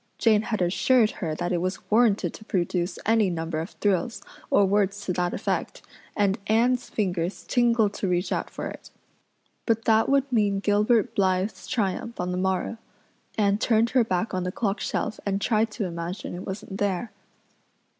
Jane had assured her that it was warranted to produce any number of thrills, or words to that effect, and Anne's fingers tingled to reach out for it. But that would mean Gilbert Blythe's triumph on the morrow. Anne turned her back on the clock shelf and tried to imagine it wasn't there.